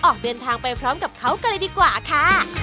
ออกเดินทางไปพร้อมกับเขากันเลยดีกว่าค่ะ